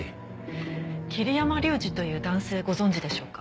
桐山竜二という男性ご存じでしょうか？